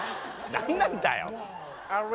何なんだよ！